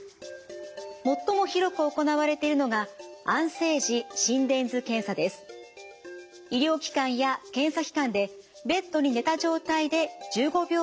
最も広く行われているのが医療機関や検査機関でベッドに寝た状態で１５秒間記録します。